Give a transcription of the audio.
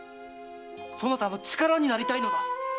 そなたの力になりたいのだ！